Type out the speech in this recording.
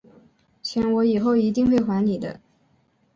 钱我以后一定会还你的